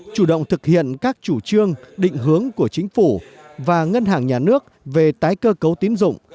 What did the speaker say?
chủ động thực hiện các chủ trương định hướng của chính phủ và ngân hàng nhà nước về tái cơ cấu tín dụng